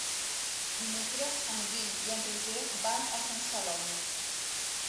Dimecres en Guim i en Roger van a Sant Celoni.